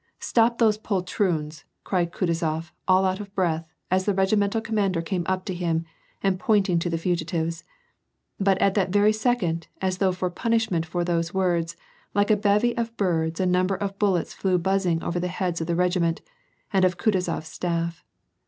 " Stop those poltroons !" cried Kutuzof, all out of breath, as the regimental commander came up to him, and pointing to the fugitives ; but at that very second, as though for a punish ment for those words, like a bevy of birds a number of bullets flew buzzing over the heads of the regiment and of Kutuzof s staif.